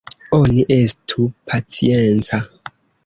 Oni estu pacienca!